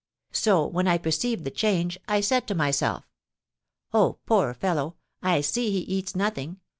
So, when I perceived the change, I said to myself: 'Oh, poor fellow, I see he eats nothing.